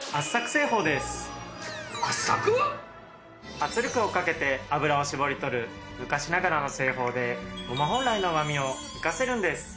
圧力をかけて油を搾り取る昔ながらの製法でごま本来の旨みを生かせるんです。